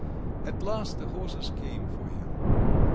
At last the horses came for him.